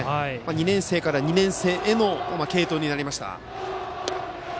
２年生から２年生への継投になりました。